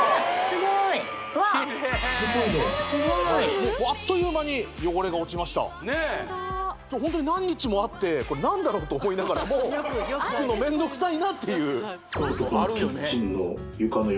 スゴいスゴいねスゴいあっという間に汚れが落ちましたホントに何日もあってこれ何だろうと思いながらも拭くの面倒くさいなっていうそうそうあるよね